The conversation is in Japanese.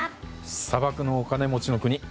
砂漠のお金持ちの国。